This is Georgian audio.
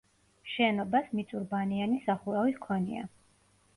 შენობას მიწურბანიანი სახურავი ჰქონია.